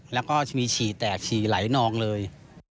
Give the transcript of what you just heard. แล้วก็จะมีฉี่แตกฉี่ไหลนองเลย